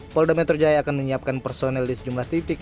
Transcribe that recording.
polda metro jaya akan menyiapkan personel di sejumlah titik